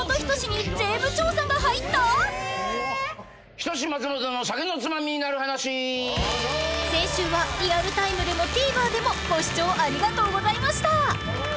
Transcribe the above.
『人志松本の酒のツマミになる話』［先週はリアルタイムでもＴＶｅｒでもご視聴ありがとうございました］